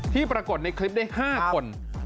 ปรากฏในคลิปได้๕คน